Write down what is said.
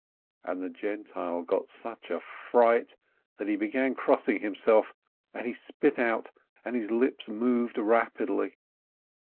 And the Gentile got such a fright that he began crossing himself, and he spit out, and his lips moved rapidly.